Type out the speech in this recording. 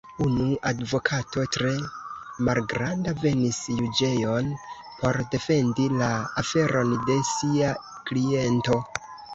Unu advokato, tre malgranda, venis juĝejon, por defendi la aferon de sia kliento.